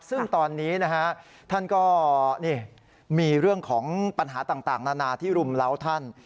ซึ่งตอนนี้นะฮะท่านก็มีเรื่องของปัญหาต่างนานาที่รุมเล้าท่าน